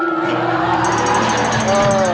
เออ